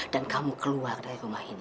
dan kamu keluar dari rumah ini